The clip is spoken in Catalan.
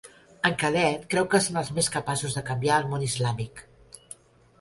En Khaled creu que són els més capaços de canviar el món islàmic.